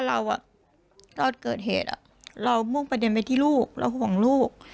ตอนเกิดเหตุเรามุ่งประเด็นไปที่ลูกเราห่วงลูก